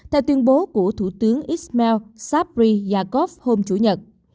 theo tuyên bố của thủ tướng ismail sabri yaakov hôm chủ nhật